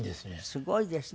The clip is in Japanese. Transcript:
すごいですね。